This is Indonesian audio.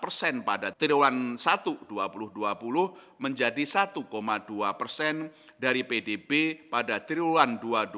dua puluh persen pada triwulan satu dua ribu dua puluh menjadi satu dua persen dari pdb pada triwulan dua ribu dua puluh